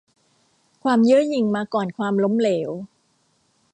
ความเย่อหยิ่งมาก่อนความล้มเหลว